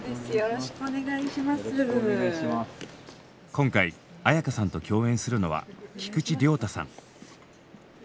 今回絢香さんと共演するのは菊池亮太さん。